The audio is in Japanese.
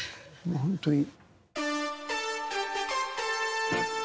本当に。